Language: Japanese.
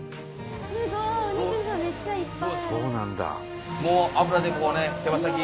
すごい！お肉がめっちゃいっぱいある！